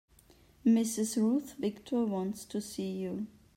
Mrs. Ruth Victor wants to see you.